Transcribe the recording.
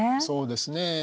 そうですね。